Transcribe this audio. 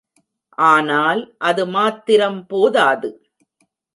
ஆனால் அது மாத்திரம் போதாது.